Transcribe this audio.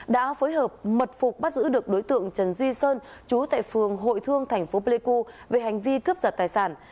đã phối hợp mật phục bắt giữ được đối tượng trần duy sơn chú tại phường hội thương thành phố pleiku về hành vi cướp giật tài sản